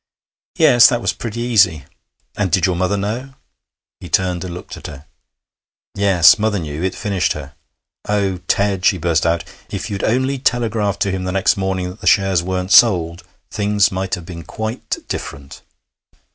'Yes, that was pretty easy.' 'And did your mother know?' He turned and looked at her. 'Yes, mother knew. It finished her. Oh, Ted!' she burst out, 'if you'd only telegraphed to him the next morning that the shares weren't sold, things might have been quite different.'